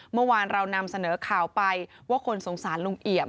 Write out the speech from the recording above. เมื่อวานเรานำเสนอข่าวไปว่าคนสงสารลุงเอี่ยม